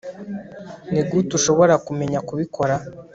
nigute ushobora kumenya kubikora